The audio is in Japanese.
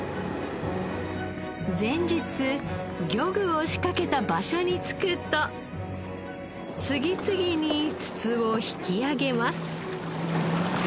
前日漁具を仕掛けた場所に着くと次々に筒を引き揚げます。